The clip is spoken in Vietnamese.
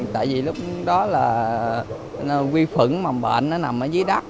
tại vì lúc đó là huy phẩm mầm bệnh nằm dưới đất